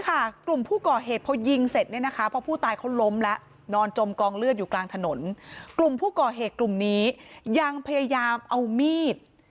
กลุ่มผู้ก่อเหกกลุ่มนี้ยังพยายามเอามีด